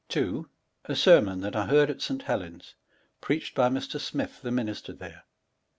A Sermon that I heard at St. Helen's, preached by Mr. Smil the minister there.